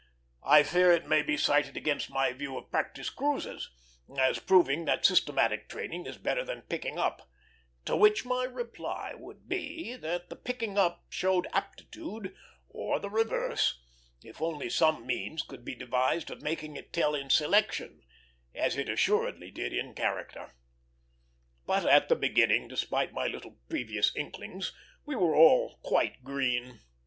I fear it may be cited against my view of practice cruises, as proving that systematic training is better than picking up; to which my reply would be that the picking up showed aptitude or the reverse if only some means could be devised of making it tell in selection, as it assuredly did in character. But at the beginning, despite any little previous inklings, we were all quite green.